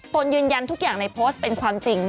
ตนยืนยันทุกอย่างในโพสต์เป็นความจริง